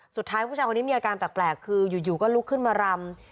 สุดท้ายผู้ชายคนนี้มีอาการแปลกคืออยู่ก็ลุกขึ้นมารำ